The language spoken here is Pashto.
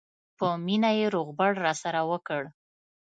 په مینه یې روغبړ راسره وکړ.